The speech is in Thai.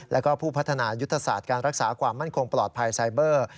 แล้วก็ผู้พัฒนายุทธศาสตร์การรักษาความมั่นคงปลอดภัยไซเบอร์